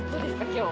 今日。